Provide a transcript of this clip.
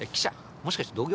もしかして同業？